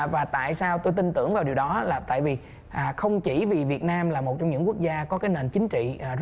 và tại sao tôi tin tưởng vào điều đó là tại vì không chỉ vì việt nam là một trong những quốc gia có cái nền chính trị rất ổn định tại khu vực